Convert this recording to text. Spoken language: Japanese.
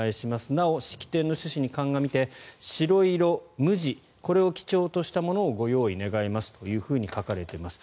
なお、式典の趣旨に鑑みて白色無地これを基調としたものをご用意願いますと書かれています。